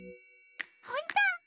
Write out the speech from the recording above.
ほんと！？